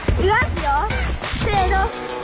せの！